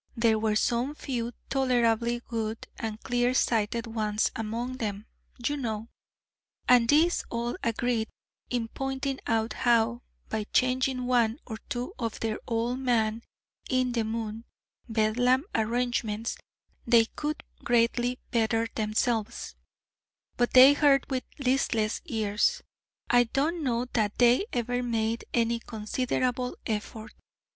There were some few tolerably good and clear sighted ones among them, you know: and these all agreed in pointing out how, by changing one or two of their old man in the moon Bedlam arrangements, they could greatly better themselves: but they heard with listless ears: I don't know that they ever made any considerable effort.